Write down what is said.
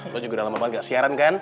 lo juga udah lama banget gak siaran kan